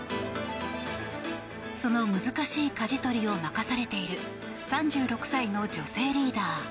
その難しいかじ取りを任されている３６歳の女性リーダー。